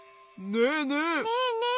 ねえねえ。